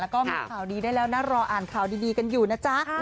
แล้วก็มีข่าวดีได้แล้วนะรออ่านข่าวดีกันอยู่นะจ๊ะ